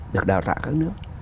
được đào tạo ở các nước